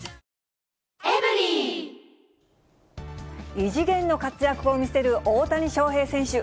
異次元の活躍を見せる大谷翔平選手。